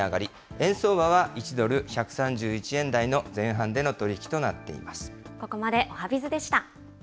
円相場は１ドル１３１円台の前半での取り引きとなっています。